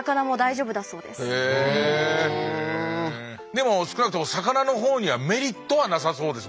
でも少なくとも魚の方にはメリットはなさそうですもんね